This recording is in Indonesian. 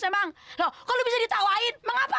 kalau kamu bisa ditawarkan mengapa